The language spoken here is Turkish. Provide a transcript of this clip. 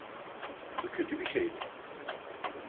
Bu kötü bir şey mi?